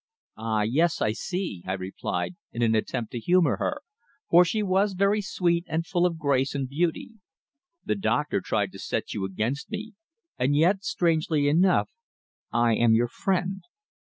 "Ah! yes, I see," I replied, in an attempt to humour her, for she was very sweet and full of grace and beauty. "The doctor tried to set you against me. And yet, strangely enough, I am your friend.